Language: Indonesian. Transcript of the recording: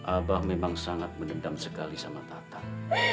abah memang sangat menendam sekali sama tatan